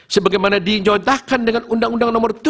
yang dimana dijawantahkan dengan undang undang nomor tujuh